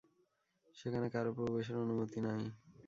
সেখানে কারো প্রবেশের অনুমতি নাই।